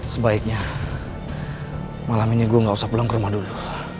sebaiknya malam ini gue gak usah pulang ke rumah dulu